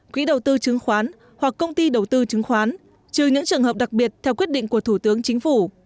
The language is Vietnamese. quỹ đầu tư chứng khoán hoặc công ty đầu tư chứng khoán trừ những trường hợp đặc biệt theo quyết định của thủ tướng chính phủ